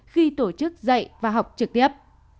khi tổ chức dạy và học trực tiếp